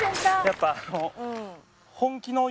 やっぱあの